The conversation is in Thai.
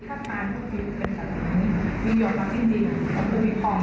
ถ้าเราผิดพวกถึงน้องเลือดถึงน้องการอะไรขึ้นบ้าง